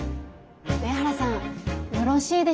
上原さんよろしいでしょうか。